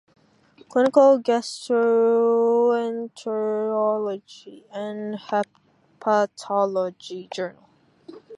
Clinical Gastroenterology and Hepatology - Journal